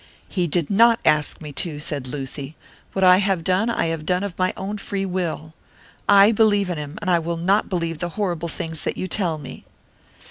"He did not ask me to," said Lucy. "What I have done, I have done of my own free will. I believe in him, and I will not believe the horrible things that you tell me."